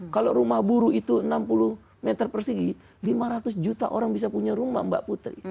kalau rumah buruh itu enam puluh meter persegi lima ratus juta orang bisa punya rumah mbak putri